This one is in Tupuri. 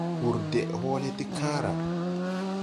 Wùr deʼ hɔɔlɛ ti kããra.